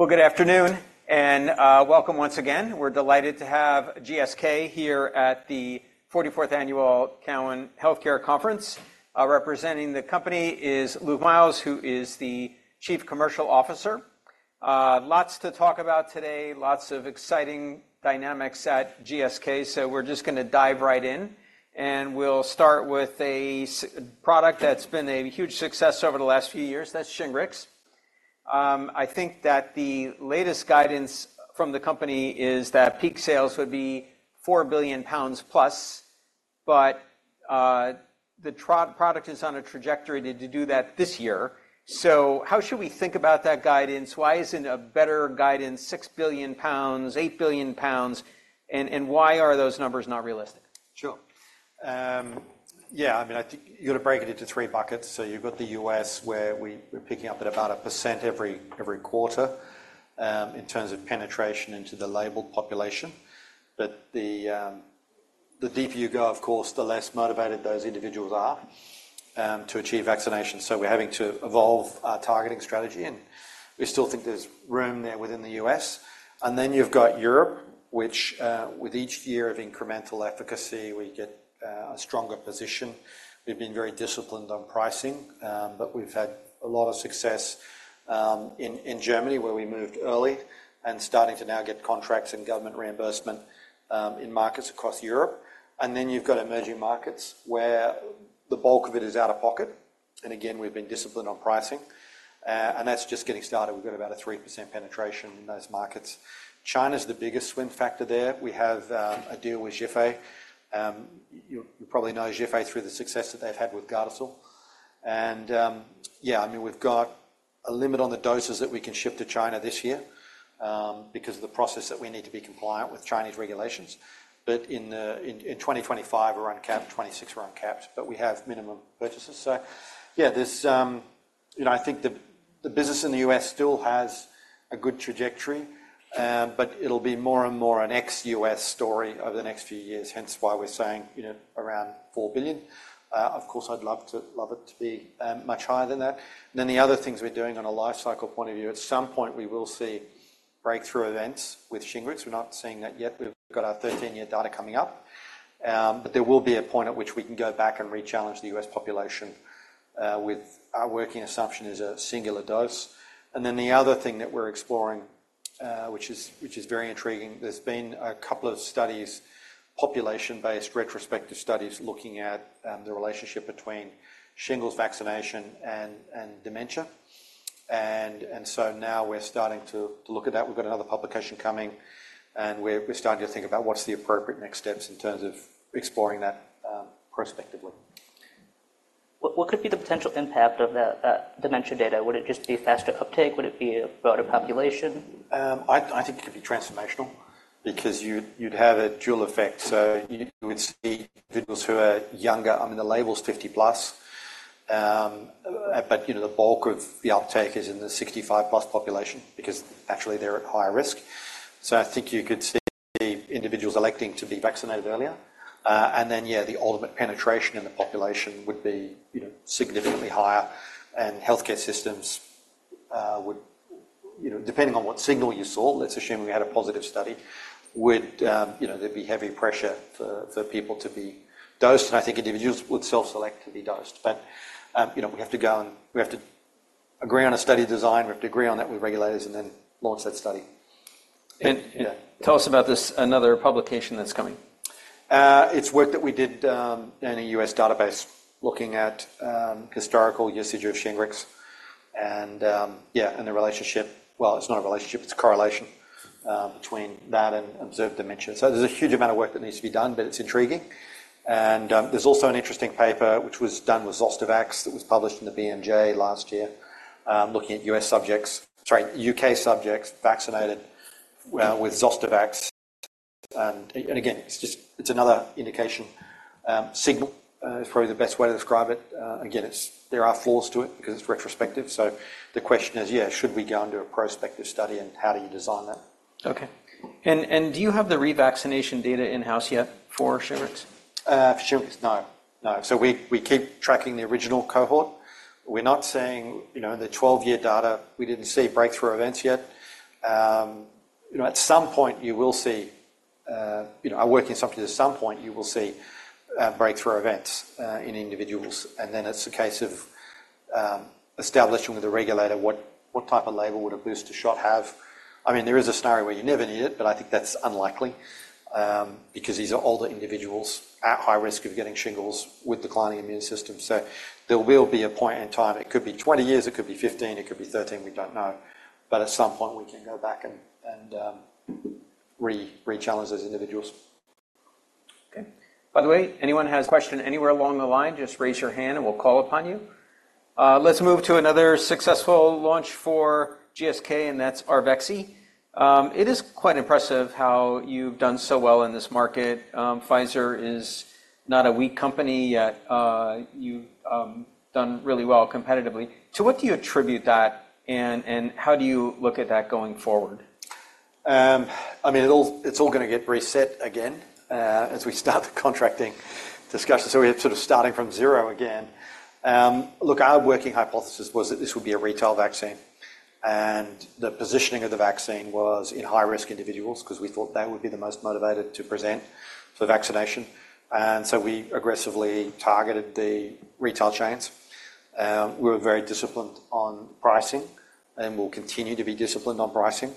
Well, good afternoon and welcome once again. We're delighted to have GSK here at the 44th Annual Cowen Healthcare Conference. Representing the company is Luke Miels, who is the Chief Commercial Officer. Lots to talk about today, lots of exciting dynamics at GSK, so we're just going to dive right in. We'll start with a product that's been a huge success over the last few years. That's Shingrix. I think that the latest guidance from the company is that peak sales would be 4 billion pounds plus, but the product is on a trajectory to do that this year. So how should we think about that guidance? Why isn't a better guidance 6 billion pounds, 8 billion pounds, and why are those numbers not realistic? Sure. Yeah, I mean, I think you've got to break it into three buckets. So you've got the U.S., where we're picking up at about 1% every quarter in terms of penetration into the labeled population. But the deeper you go, of course, the less motivated those individuals are to achieve vaccination. So we're having to evolve our targeting strategy, and we still think there's room there within the U.S. And then you've got Europe, which with each year of incremental efficacy, we get a stronger position. We've been very disciplined on pricing, but we've had a lot of success in Germany, where we moved early and starting to now get contracts and government reimbursement in markets across Europe. And then you've got emerging markets, where the bulk of it is out of pocket. And again, we've been disciplined on pricing, and that's just getting started. We've got about a 3% penetration in those markets. China's the biggest swing factor there. We have a deal with Zhifei. You probably know Zhifei through the success that they've had with Gardasil. And yeah, I mean, we've got a limit on the doses that we can ship to China this year because of the process that we need to be compliant with Chinese regulations. But in 2025, we're uncapped. 2026, we're uncapped, but we have minimum purchases. So yeah, I think the business in the US still has a good trajectory, but it'll be more and more an ex-US story over the next few years, hence why we're saying around 4 billion. Of course, I'd love it to be much higher than that. And then the other things we're doing on a lifecycle point of view, at some point we will see breakthrough events with Shingrix. We're not seeing that yet. We've got our 13-year data coming up, but there will be a point at which we can go back and rechallenge the U.S. population with our working assumption, is a singular dose. Then the other thing that we're exploring, which is very intriguing, there's been a couple of studies, population-based retrospective studies looking at the relationship between shingles vaccination and dementia. So now we're starting to look at that. We've got another publication coming, and we're starting to think about what's the appropriate next steps in terms of exploring that prospectively. What could be the potential impact of that dementia data? Would it just be faster uptake? Would it be a broader population? I think it could be transformational because you'd have a dual effect. So you would see individuals who are younger. I mean, the label's 50+, but the bulk of the uptake is in the 65+ population because actually they're at higher risk. So I think you could see individuals electing to be vaccinated earlier. And then, yeah, the ultimate penetration in the population would be significantly higher, and healthcare systems would, depending on what signal you saw, let's assume we had a positive study, there'd be heavy pressure for people to be dosed. And I think individuals would self-select to be dosed. But we have to go and we have to agree on a study design. We have to agree on that with regulators and then launch that study. Yeah. Tell us about this another publication that's coming? It's work that we did in a U.S. database looking at historical usage of Shingrix and, yeah, and the relationship well, it's not a relationship. It's correlation between that and observed dementia. So there's a huge amount of work that needs to be done, but it's intriguing. And there's also an interesting paper which was done with Zostavax that was published in the BMJ last year looking at U.K. subjects vaccinated with Zostavax. And again, it's another indication. Signal is probably the best way to describe it. Again, there are flaws to it because it's retrospective. So the question is, yeah, should we go and do a prospective study, and how do you design that? Okay. And do you have the revaccination data in-house yet for Shingrix? For Shingrix, no. No. So we keep tracking the original cohort. We're not saying in the 12-year data, we didn't see breakthrough events yet. At some point, you will see. Our working assumption is at some point you will see breakthrough events in individuals. And then it's a case of establishing with the regulator what type of label would a booster shot have. I mean, there is a scenario where you never need it, but I think that's unlikely because these are older individuals at high risk of getting shingles with declining immune systems. So there will be a point in time. It could be 20 years. It could be 15. It could be 13. We don't know. But at some point, we can go back and rechallenge those individuals. Okay. By the way, anyone has a question anywhere along the line, just raise your hand, and we'll call upon you. Let's move to another successful launch for GSK, and that's Arexvy. It is quite impressive how you've done so well in this market. Pfizer is not a weak company yet. You've done really well competitively. To what do you attribute that, and how do you look at that going forward? I mean, it's all going to get reset again as we start the contracting discussion. So we're sort of starting from zero again. Look, our working hypothesis was that this would be a retail vaccine, and the positioning of the vaccine was in high-risk individuals because we thought they would be the most motivated to present for vaccination. And so we aggressively targeted the retail chains. We were very disciplined on pricing and will continue to be disciplined on pricing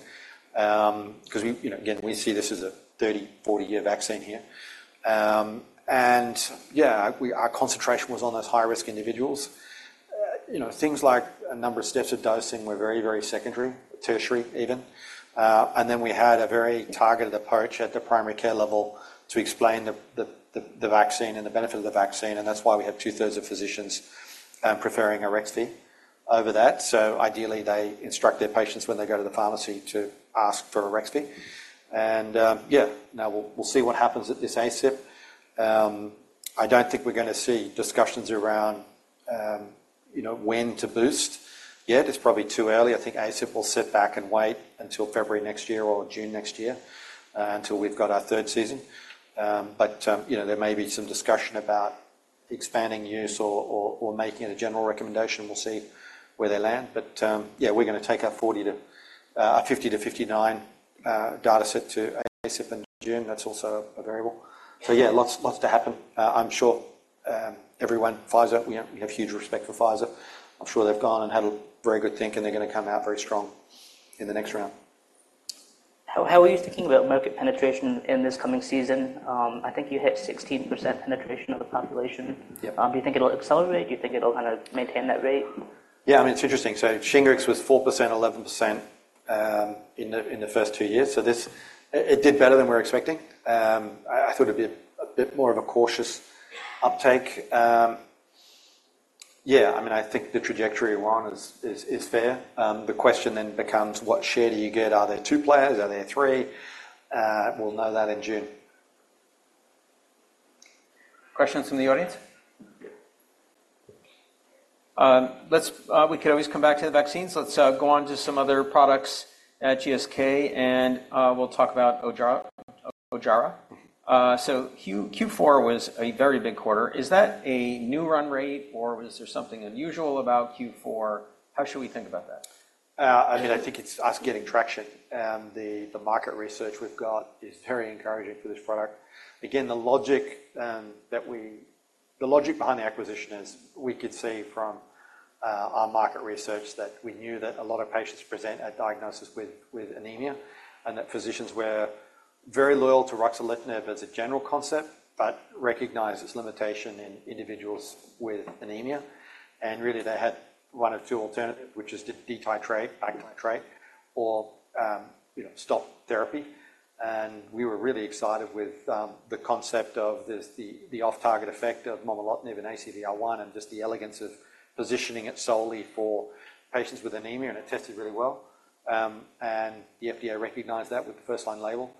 because, again, we see this as a 30-40-year vaccine here. And yeah, our concentration was on those high-risk individuals. Things like a number of steps of dosing were very, very secondary, tertiary even. And then we had a very targeted approach at the primary care level to explain the vaccine and the benefit of the vaccine. And that's why we have two-thirds of physicians preferring Arexvy over that. So ideally, they instruct their patients when they go to the pharmacy to ask for Arexvy. And yeah, now we'll see what happens at this ACIP. I don't think we're going to see discussions around when to boost yet. It's probably too early. I think ACIP will sit back and wait until February next year or June next year until we've got our third season. But there may be some discussion about expanding use or making it a general recommendation. We'll see where they land. But yeah, we're going to take our 50-59 dataset to ACIP in June. That's also a variable. So yeah, lots to happen, I'm sure. Everyone, Pfizer, we have huge respect for Pfizer. I'm sure they've gone and had a very good think, and they're going to come out very strong in the next round. How are you thinking about market penetration in this coming season? I think you hit 16% penetration of the population. Do you think it'll accelerate? Do you think it'll kind of maintain that rate? Yeah, I mean, it's interesting. So Shingrix was 4%, 11% in the first two years. So it did better than we were expecting. I thought it'd be a bit more of a cautious uptake. Yeah, I mean, I think the trajectory we're on is fair. The question then becomes, what share do you get? Are there two players? Are there three? We'll know that in June. Questions from the audience? We could always come back to the vaccines. Let's go on to some other products at GSK, and we'll talk about Ojjaara. So Q4 was a very big quarter. Is that a new run rate, or is there something unusual about Q4? How should we think about that? I mean, I think it's us getting traction. The market research we've got is very encouraging for this product. Again, the logic behind the acquisition is we could see from our market research that we knew that a lot of patients present a diagnosis with anemia and that physicians were very loyal to ruxolitinib as a general concept but recognized its limitation in individuals with anemia. And really, they had one of two alternatives, which is to de-titrate, back-titrate, or stop therapy. And we were really excited with the concept of the off-target effect of momelotinib and ACVR1 and just the elegance of positioning it solely for patients with anemia. And it tested really well, and the FDA recognized that with the first-line label.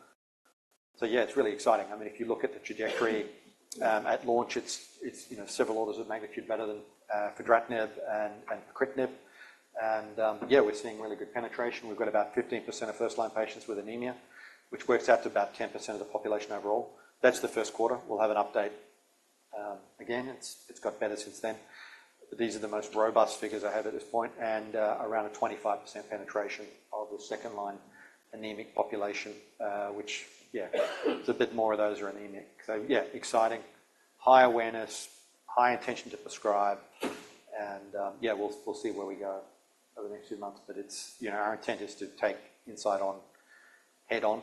So yeah, it's really exciting. I mean, if you look at the trajectory at launch, it's several orders of magnitude better than fedratinib and pacritinib. Yeah, we're seeing really good penetration. We've got about 15% of first-line patients with anemia, which works out to about 10% of the population overall. That's the Q1. We'll have an update. Again, it's got better since then. But these are the most robust figures I have at this point and around a 25% penetration of the second-line anemic population, which yeah, it's a bit more of those are anemic. So yeah, exciting, high awareness, high intention to prescribe. And yeah, we'll see where we go over the next few months. But our intent is to take Incyte head-on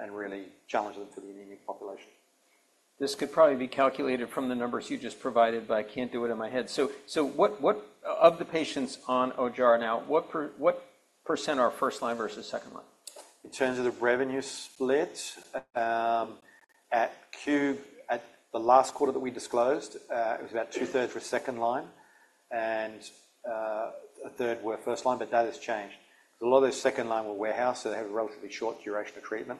and really challenge them for the anemic population. This could probably be calculated from the numbers you just provided, but I can't do it in my head. So of the patients on Ojjaara now, what percent are first-line versus second-line? In terms of the revenue split at the last quarter that we disclosed, it was about two-thirds were second-line and a third were first-line, but that has changed because a lot of those second-line were warehouse, so they have a relatively short duration of treatment.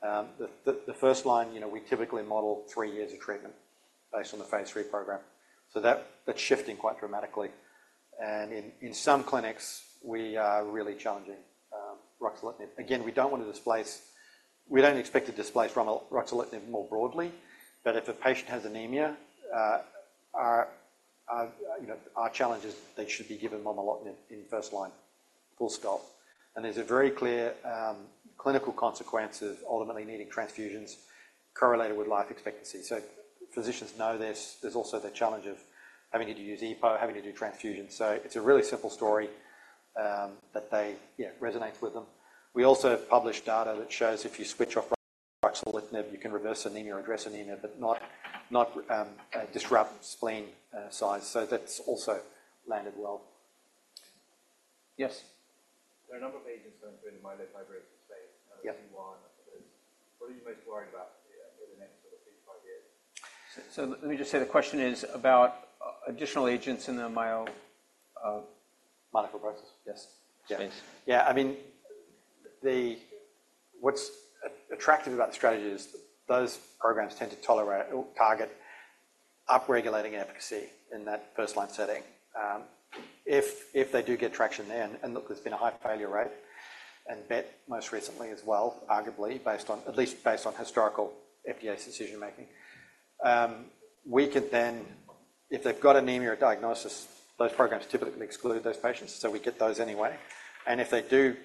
The first-line, we typically model 3 years of treatment based on the phase 3 program. So that's shifting quite dramatically. And in some clinics, we are really challenging ruxolitinib. Again, we don't want to displace, we don't expect to displace ruxolitinib more broadly. But if a patient has anemia, our challenge is they should be given momelotinib in first-line. Full stop. And there's a very clear clinical consequence of ultimately needing transfusions correlated with life expectancy. So physicians know there's also the challenge of having to do EPO, having to do transfusions. So it's a really simple story that resonates with them. We also publish data that shows if you switch off ruxolitinib, you can reverse anemia, address anemia, but not disrupt spleen size. So that's also landed well. Yes? There are a number of agents going through the myelofibrosis phase, and there's T1. What are you most worried about in the next sort of three to five years? Let me just say the question is about additional agents in the myo. Molecular process? Yes. Yes. Yeah. I mean, what's attractive about the strategy is those programs tend to target upregulating efficacy in that first-line setting. If they do get traction there and look, there's been a high failure rate and yet most recently as well, arguably, at least based on historical FDA's decision-making, we can then if they've got anemia or diagnosis, those programs typically exclude those patients, so we get those anyway. And if the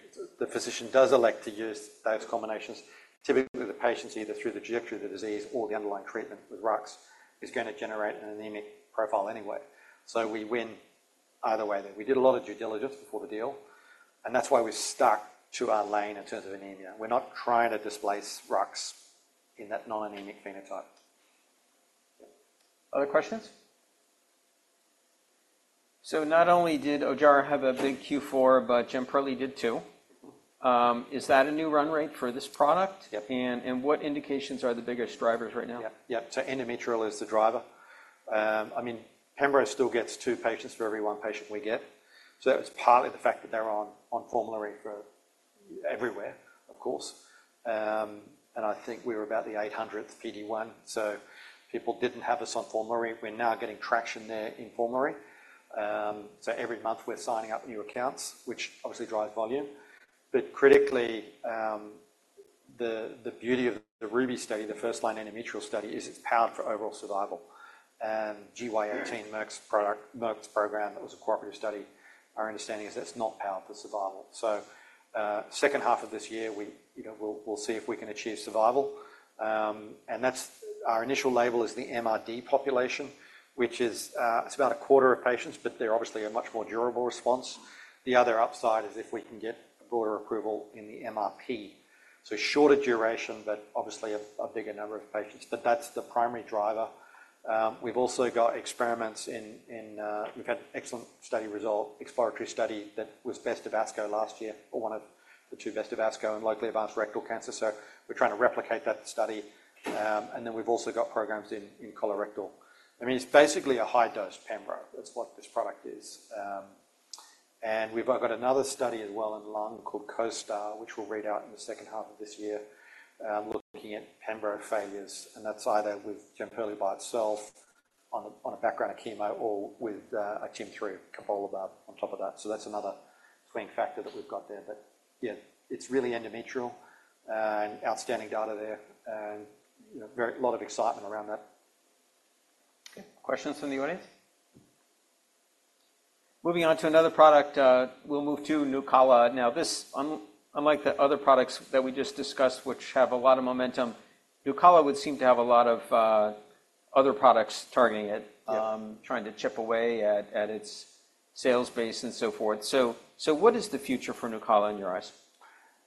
physician does elect to use those combinations, typically, the patient's either through the trajectory of the disease or the underlying treatment with RUX is going to generate an anemic profile anyway. So we win either way there. We did a lot of due diligence before the deal, and that's why we're stuck to our lane in terms of anemia. We're not trying to displace RUX in that non-anemic phenotype. Other questions? So not only did Ojjaara have a big Q4, but Jemperli did too. Is that a new run rate for this product? And what indications are the biggest drivers right now? Yep. Yep. So endometrial is the driver. I mean, Pembro still gets two patients for every one patient we get. So that was partly the fact that they're on formulary everywhere, of course. And I think we were about the 800th PD-1, so people didn't have us on formulary. We're now getting traction there in formulary. So every month, we're signing up new accounts, which obviously drives volume. But critically, the beauty of the RUBY study, the first-line endometrial study, is it's powered for overall survival. And GY018 Merck's program, that was a cooperative study, our understanding is that's not powered for survival. So second half of this year, we'll see if we can achieve survival. And our initial label is the MMRd population, which is about a quarter of patients, but they're obviously a much more durable response. The other upside is if we can get broader approval in the MMRp. So shorter duration, but obviously a bigger number of patients. But that's the primary driver. We've also got experience in. We've had an excellent study result, exploratory study that was best of ASCO last year or one of the two best of ASCO and locally advanced rectal cancer. So we're trying to replicate that study. And then we've also got programs in colorectal. I mean, it's basically a high-dose Pembro. That's what this product is. And we've got another study as well in lung called COSTAR, which we'll read out in the second half of this year looking at Pembro failures. And that's either with Jemperli by itself on a background of chemo or with a TIM-3 cobolimab on top of that. So that's another swing factor that we've got there. But yeah, it's really endometrial and outstanding data there and a lot of excitement around that. Okay. Questions from the audience? Moving on to another product, we'll move to Nucala. Now, unlike the other products that we just discussed, which have a lot of momentum, Nucala would seem to have a lot of other products targeting it, trying to chip away at its sales base and so forth. So what is the future for Nucala in your eyes?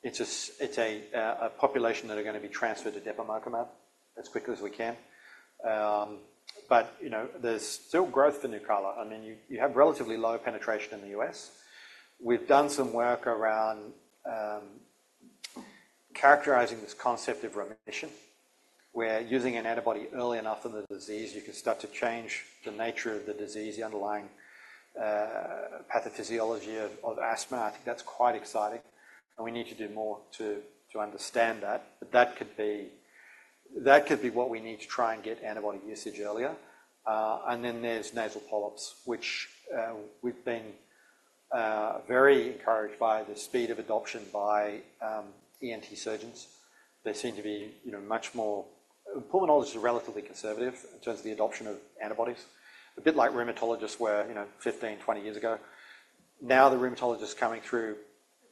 It's a population that is going to be transferred to depemokimab as quickly as we can. But there's still growth for Nucala. I mean, you have relatively low penetration in the U.S. We've done some work around characterizing this concept of remission where using an antibody early enough in the disease, you can start to change the nature of the disease, the underlying pathophysiology of asthma. I think that's quite exciting, and we need to do more to understand that. But that could be what we need to try and get antibody usage earlier. And then there's nasal polyps, which we've been very encouraged by the speed of adoption by ENT surgeons. They seem to be much more. Pulmonologists are relatively conservative in terms of the adoption of antibodies, a bit like rheumatologists were 15, 20 years ago. Now, the rheumatologists coming through,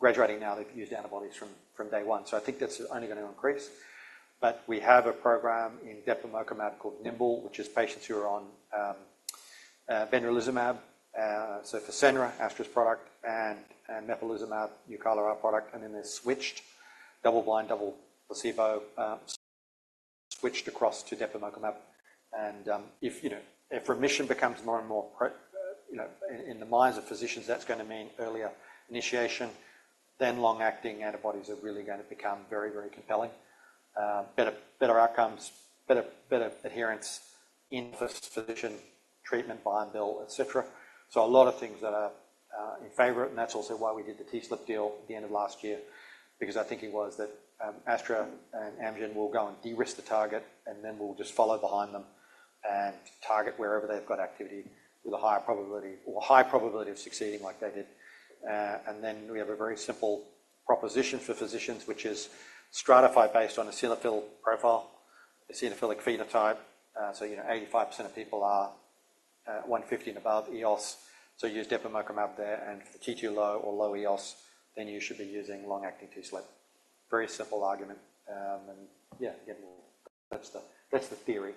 graduating now, they've used antibodies from day one. So I think that's only going to increase. But we have a program in depemokimab called NIMBLE, which is patients who are on benralizumab. So for Fasenra, AstraZeneca's product, and mepolizumab, Nucala our product. And then they're switched, double-blind, double placebo, switched across to depemokimab. And if remission becomes more and more in the minds of physicians, that's going to mean earlier initiation. Then long-acting antibodies are really going to become very, very compelling, better outcomes, better adherence in first line treatment via IV, etc. So a lot of things that are in favor of it. That's also why we did the TSLP deal at the end of last year because I think it was that Astra and Amgen will go and de-risk the target, and then we'll just follow behind them and target wherever they've got activity with a higher probability or high probability of succeeding like they did. And then we have a very simple proposition for physicians, which is stratify based on eosinophil profile, eosinophilic phenotype. So 85% of people are 150 and above EOS. So use depemokimab there. And for T2 low or low EOS, then you should be using long-acting TSLP. Very simple argument. And yeah, again, that's the theory.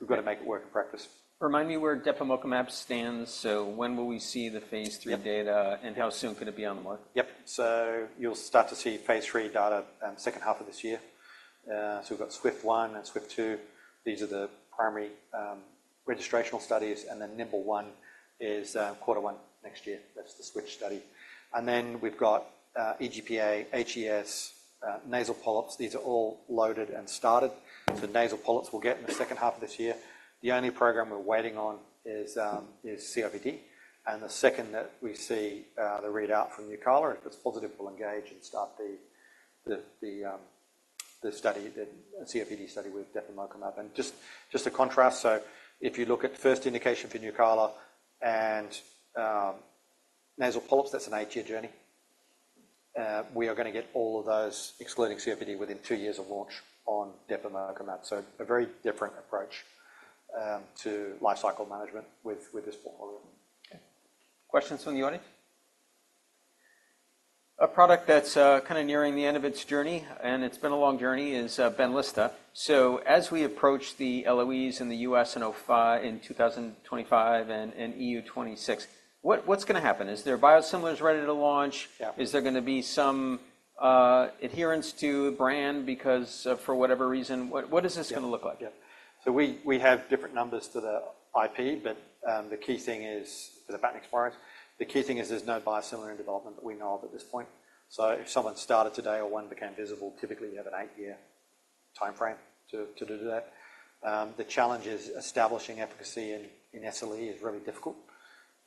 We've got to make it work in practice. Remind me where depemokimab stands. When will we see the phase 3 data, and how soon could it be on the market? Yep. So you'll start to see phase 3 data second half of this year. So we've got SWIFT 1 and SWIFT 2. These are the primary registrational studies. And then NIMBLE 1 is quarter one next year. That's the switch study. And then we've got EGPA, HES, nasal polyps. These are all loaded and started. So nasal polyps we'll get in the second half of this year. The only program we're waiting on is COPD. And the second that we see the readout from Nucala, if it's positive, we'll engage and start the COPD study with depemokimab. And just to contrast, so if you look at first indication for Nucala and nasal polyps, that's an 8-year journey. We are going to get all of those, excluding COPD, within 2 years of launch on depemokimab. So a very different approach to lifecycle management with this portfolio. Okay. Questions from the audience? A product that's kind of nearing the end of its journey, and it's been a long journey, is Benlysta. So as we approach the LOEs in the U.S. in 2025 and EU in 2026, what's going to happen? Is there biosimilars ready to launch? Is there going to be some adherence to the brand because of for whatever reason? What is this going to look like? Yep. Yep. So we have different numbers to the IP, but the key thing is for Benlysta, the key thing is there's no biosimilar in development that we know of at this point. So if someone started today or one became visible, typically, you have an 8-year timeframe to do that. The challenge is establishing efficacy in SLE is really difficult.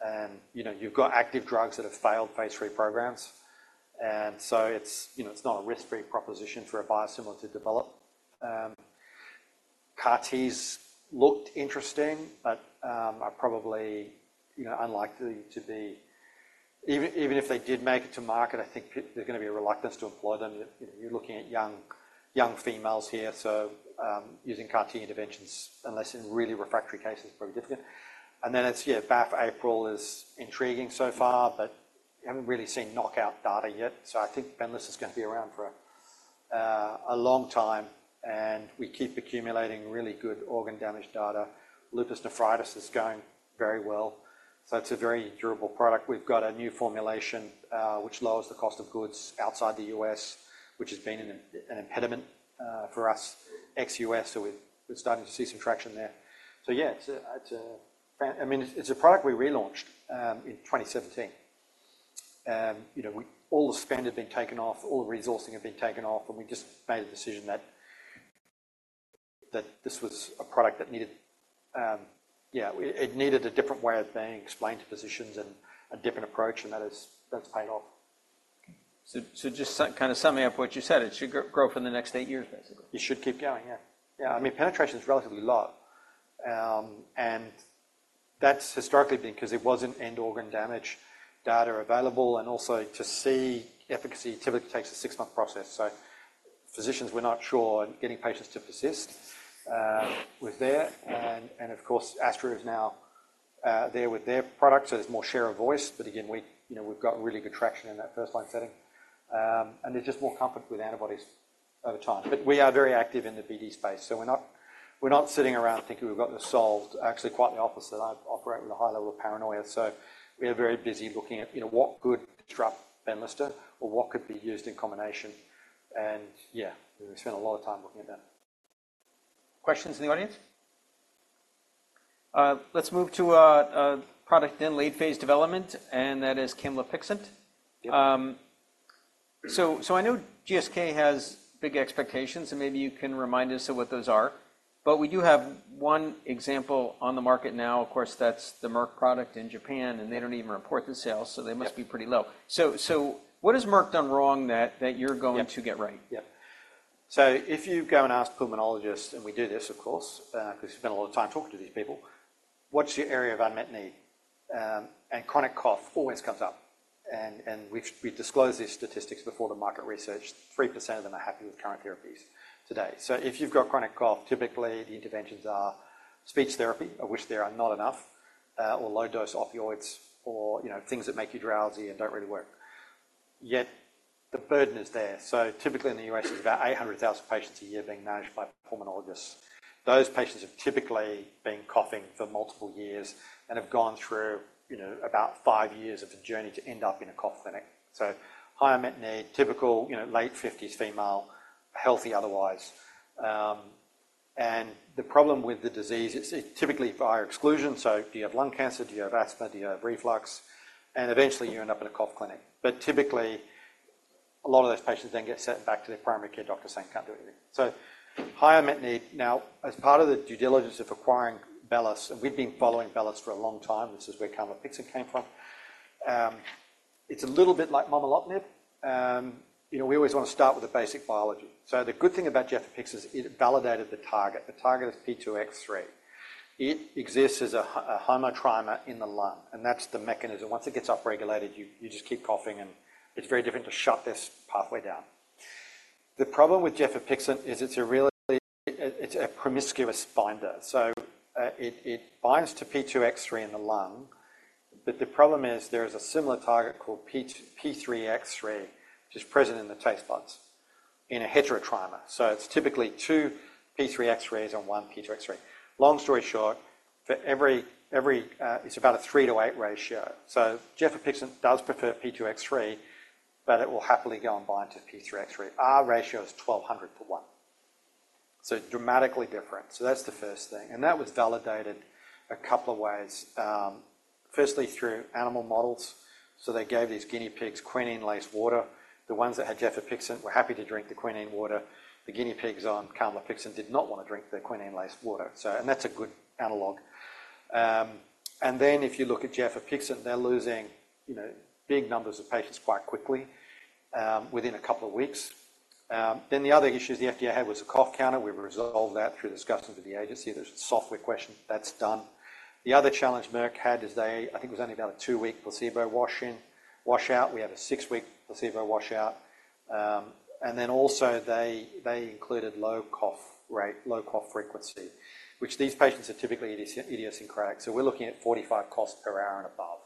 And you've got active drugs that have failed phase three programs. And so it's not a risk-free proposition for a biosimilar to develop. CAR-Ts looked interesting, but are probably unlikely to be even if they did make it to market, I think there's going to be a reluctance to employ them. You're looking at young females here. So using CAR-T interventions, unless in really refractory cases, is probably difficult. And then yeah, BAFF/APRIL is intriguing so far, but you haven't really seen knockout data yet. So I think Benlysta's going to be around for a long time. And we keep accumulating really good organ damage data. Lupus nephritis is going very well. So it's a very durable product. We've got a new formulation, which lowers the cost of goods outside the U.S., which has been an impediment for us ex-U.S. So we're starting to see some traction there. So yeah, I mean, it's a product we relaunched in 2017. All the spend had been taken off. All the resourcing had been taken off. And we just made a decision that this was a product that needed yeah, it needed a different way of being explained to physicians and a different approach, and that's paid off. Okay. So just kind of summing up what you said, it should grow for the next 8 years, basically? It should keep going. Yeah. Yeah. I mean, penetration is relatively low. And that's historically been because there wasn't end organ damage data available. And also, to see efficacy, it typically takes a six-month process. So physicians, we're not sure getting patients to persist with there. And of course, Astra is now there with their product, so there's more share of voice. But again, we've got really good traction in that first-line setting. And there's just more comfort with antibodies over time. But we are very active in the BD space. So we're not sitting around thinking we've got this solved. Actually, quite the opposite. I operate with a high level of paranoia. So we are very busy looking at what could disrupt Benlysta or what could be used in combination. And yeah, we spend a lot of time looking at that. Questions in the audience? Let's move to a product in late phase development, and that is camlipixant. So I know GSK has big expectations, and maybe you can remind us of what those are. But we do have one example on the market now. Of course, that's the Merck product in Japan, and they don't even report the sales, so they must be pretty low. So what has Merck done wrong that you're going to get right? Yep. Yep. So if you go and ask pulmonologists—and we do this, of course, because we spend a lot of time talking to these people—what's your area of unmet need? And chronic cough always comes up. And we disclose these statistics before the market research. 3% of them are happy with current therapies today. So if you've got chronic cough, typically, the interventions are speech therapy, I wish there are not enough, or low-dose opioids, or things that make you drowsy and don't really work. Yet the burden is there. So typically, in the U.S., there's about 800,000 patients a year being managed by pulmonologists. Those patients have typically been coughing for multiple years and have gone through about 5 years of the journey to end up in a cough clinic. So high unmet need, typical late 50s female, healthy otherwise. The problem with the disease, it's typically via exclusion. So do you have lung cancer? Do you have asthma? Do you have reflux? And eventually, you end up in a cough clinic. But typically, a lot of those patients then get sent back to their primary care doctor saying, "Can't do anything." So high unmet need. Now, as part of the due diligence of acquiring Bellus, and we've been following Bellus for a long time. This is where camlipixant came from. It's a little bit like momelotinib. We always want to start with the basic biology. So the good thing about gefapixant is it validated the target. The target is P2X3. It exists as a homotrimer in the lung, and that's the mechanism. Once it gets upregulated, you just keep coughing. And it's very different to shut this pathway down. The problem with gefapixant is it's a promiscuous binder. So it binds to P2X3 in the lung. But the problem is there is a similar target called P2X2, which is present in the taste buds in a heterotrimer. So it's typically two P2X2s and one P2X3. Long story short, it's about a 3:8 ratio. So gefapixant does prefer P2X3, but it will happily go and bind to P2X2. Our ratio is 1200:1. So dramatically different. So that's the first thing. And that was validated a couple of ways. Firstly, through animal models. So they gave these guinea pigs quinine-laced water. The ones that had gefapixant were happy to drink the quinine water. The guinea pigs on camlipixant did not want to drink the quinine-laced water. And that's a good analog. Then if you look at Gefapixant, they're losing big numbers of patients quite quickly within a couple of weeks. Then the other issues the FDA had was a cough counter. We've resolved that through discussion with the agency. There's a software question. That's done. The other challenge Merck had is they I think it was only about a 2-week placebo wash out. We have a 6-week placebo wash out. And then also, they included low cough rate, low cough frequency, which these patients are typically idiosyncratic. So we're looking at 45 coughs per hour and above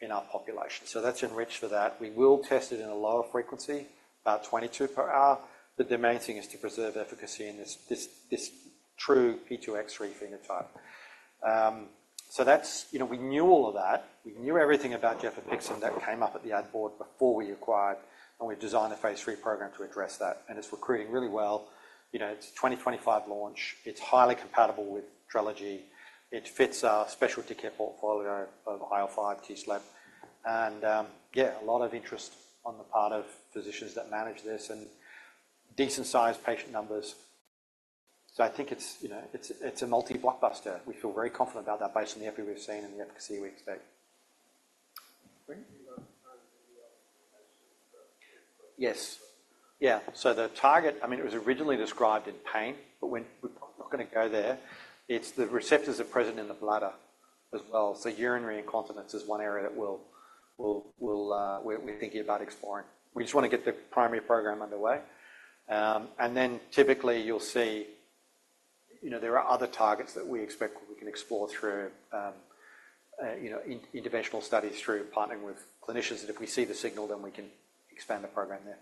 in our population. So that's enriched for that. We will test it in a lower frequency, about 22 per hour. But the main thing is to preserve efficacy in this true P2X3 phenotype. So we knew all of that. We knew everything about gefapixant that came up at the ad board before we acquired. We've designed a phase 3 program to address that. It's recruiting really well. It's 2025 launch. It's highly compatible with Trelegy. It fits our specialty portfolio of IL-5 TSLP. Yeah, a lot of interest on the part of physicians that manage this and decent-sized patient numbers. So I think it's a multi-blockbuster. We feel very confident about that based on the EPI we've seen and the efficacy we expect. Yes. Yeah. So the target I mean, it was originally described in pain, but we're not going to go there. The receptors are present in the bladder as well. So urinary incontinence is one area that we're thinking about exploring. We just want to get the primary program underway. And then typically, you'll see there are other targets that we expect we can explore through interventional studies, through partnering with clinicians. And if we see the signal, then we can expand the program there.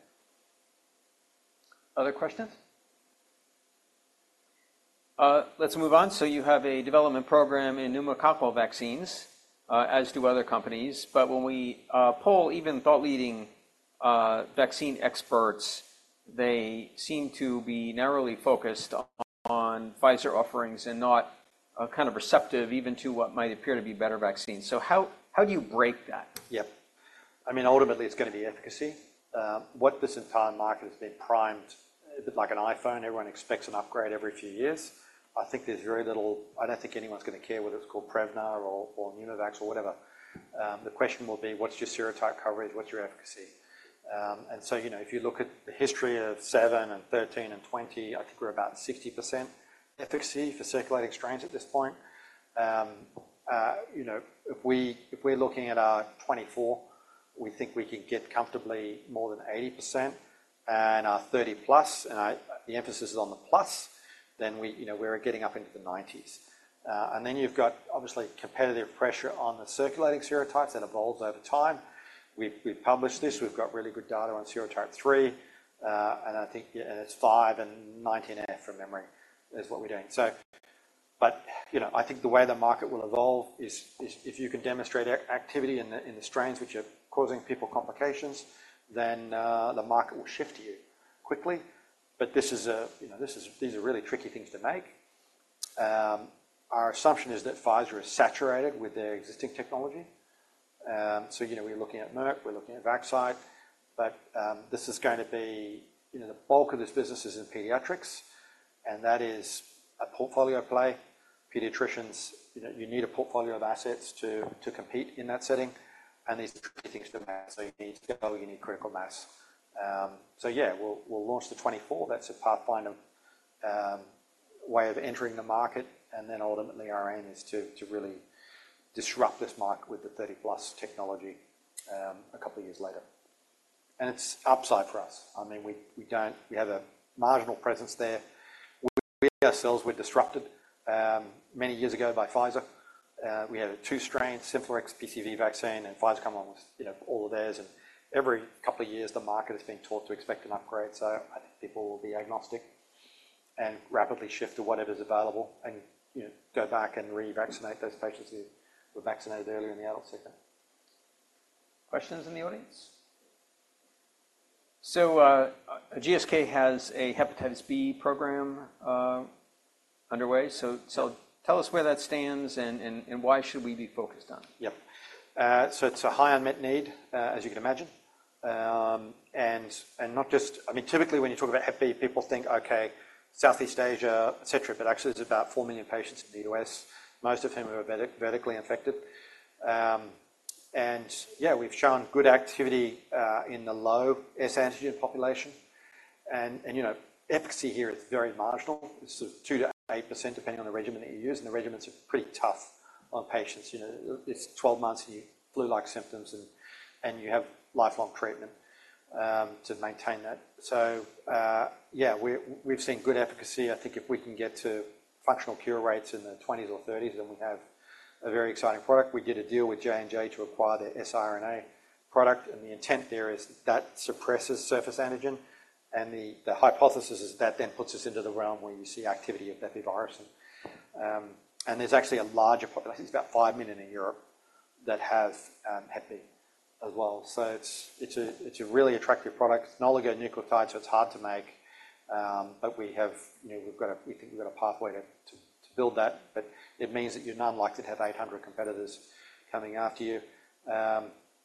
Other questions? Let's move on. So you have a development program in pneumococcal vaccines, as do other companies. But when we poll even thought-leading vaccine experts, they seem to be narrowly focused on Pfizer offerings and not kind of receptive even to what might appear to be better vaccines. So how do you break that? Yep. I mean, ultimately, it's going to be efficacy. What this entire market has been primed a bit like an iPhone. Everyone expects an upgrade every few years. I think there's very little I don't think anyone's going to care whether it's called Prevnar or Pneumovax or whatever. The question will be, "What's your serotype coverage? What's your efficacy?" And so if you look at the history of 7 and 13 and 20, I think we're about 60% efficacy for circulating strains at this point. If we're looking at our 24, we think we can get comfortably more than 80%. And our 30-plus and the emphasis is on the plus, then we're getting up into the 90s. And then you've got, obviously, competitive pressure on the circulating serotypes. That evolves over time. We've published this. We've got really good data on serotype 3. It's 5 and 19F, remember, is what we're doing. But I think the way the market will evolve is if you can demonstrate activity in the strains which are causing people complications, then the market will shift to you quickly. But these are really tricky things to make. Our assumption is that Pfizer is saturated with their existing technology. So we're looking at Merck. We're looking at Vaxcyte. But this is going to be the bulk of this business is in pediatrics, and that is a portfolio play. You need a portfolio of assets to compete in that setting. And these are three things to match. So you need scale. You need critical mass. So yeah, we'll launch the 2024. That's a pathfinder way of entering the market. And then ultimately, our aim is to really disrupt this market with the 30-plus technology a couple of years later. It's upside for us. I mean, we have a marginal presence there. We ourselves were disrupted many years ago by Pfizer. We had two strains, Synflorix PCV vaccine, and Pfizer come along with all of theirs. Every couple of years, the market has been taught to expect an upgrade. So I think people will be agnostic and rapidly shift to whatever's available and go back and revaccinate those patients who were vaccinated earlier in the adult sector. Questions in the audience? So GSK has a hepatitis B program underway. So tell us where that stands and why should we be focused on it? Yep. So it's a high unmet need, as you can imagine. And I mean, typically, when you talk about hep B, people think, "Okay, Southeast Asia, etc." But actually, there's about 4 million patients in the U.S., most of whom are medically infected. And yeah, we've shown good activity in the low S antigen population. And efficacy here is very marginal. It's sort of 2%-8%, depending on the regimen that you use. And the regimens are pretty tough on patients. It's 12 months, and you have flu-like symptoms, and you have lifelong treatment to maintain that. So yeah, we've seen good efficacy. I think if we can get to functional cure rates in the 20s or 30s, then we have a very exciting product. We did a deal with J&J to acquire their siRNA product. And the intent there is that suppresses surface antigen. The hypothesis is that then puts us into the realm where you see activity of hep B virus. There's actually a larger population—it's about 5 million in Europe—that have hep B as well. So it's a really attractive product. It's oligonucleotide, so it's hard to make. But we think we've got a pathway to build that. But it means that you're not unlikely to have 800 competitors coming after you.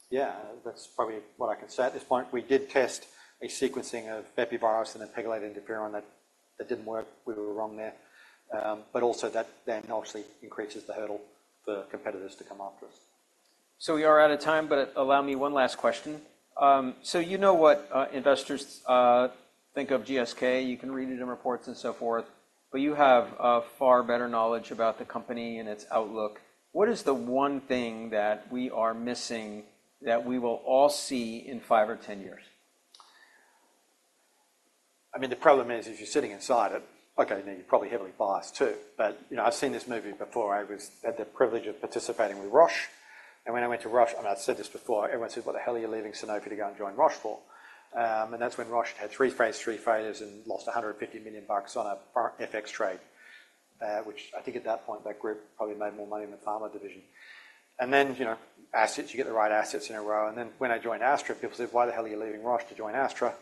Yeah, that's probably what I can say at this point. We did test a sequencing of hep B virus and integrated interferon. That didn't work. We were wrong there. But also, that then obviously increases the hurdle for competitors to come after us. We are out of time, but allow me one last question. You know what investors think of GSK. You can read it in reports and so forth. You have far better knowledge about the company and its outlook. What is the one thing that we are missing that we will all see in 5 or 10 years? I mean, the problem is, as you're sitting inside it, okay, now you're probably heavily biased too. But I've seen this movie before. I had the privilege of participating with Roche. And when I went to Roche I mean, I've said this before. Everyone says, "What the hell are you leaving Sanofi to go and join Roche for?" And that's when Roche had three Phase 3 failures and lost $150 million on a FX trade, which I think at that point, that group probably made more money in the pharma division. And then assets. You get the right assets in a row. And then when I joined Astra, people said, "Why the hell are you leaving Roche to join Astra?"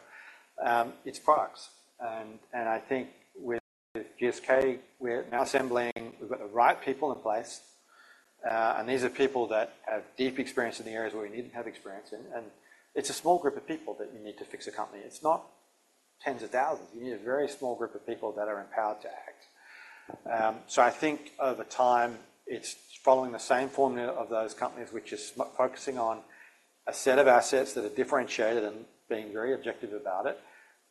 It's products. And I think with GSK, we're now assembling. We've got the right people in place. And these are people that have deep experience in the areas where we need to have experience. And it's a small group of people that you need to fix a company. It's not tens of thousands. You need a very small group of people that are empowered to act. So I think over time, it's following the same formula of those companies, which is focusing on a set of assets that are differentiated and being very objective about it,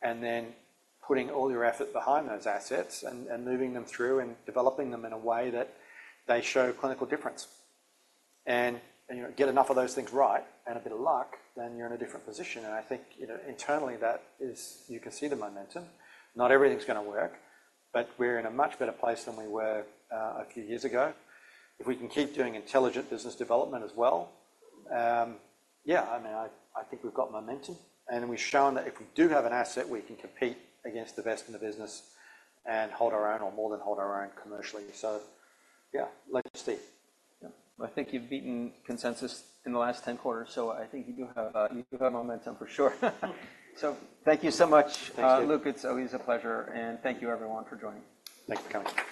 and then putting all your effort behind those assets and moving them through and developing them in a way that they show clinical difference. And get enough of those things right and a bit of luck, then you're in a different position. And I think internally, you can see the momentum. Not everything's going to work, but we're in a much better place than we were a few years ago. If we can keep doing intelligent business development as well, yeah, I mean, I think we've got momentum. We've shown that if we do have an asset, we can compete against the best in the business and hold our own or more than hold our own commercially. Yeah, let's see. Yeah. I think you've beaten consensus in the last 10 quarters. I think you do have momentum for sure. Thank you so much, Luke. It's always a pleasure. Thank you, everyone, for joining. Thanks for coming.